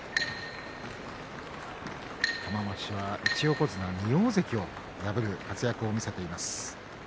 １横綱２大関を破る活躍を見せています。